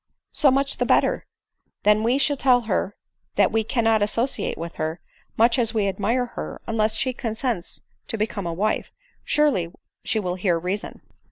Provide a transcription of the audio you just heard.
" So much the better ; then, when we shall tell her that we cannot associate with her, much as we admire her, unless she consents to become a wife, surely she will hear reason."